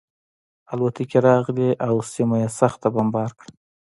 الوتکې راغلې او سیمه یې سخته بمبار کړه